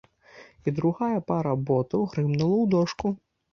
І другая пара ботаў грымнула ў дошку.